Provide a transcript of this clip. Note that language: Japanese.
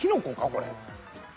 これ。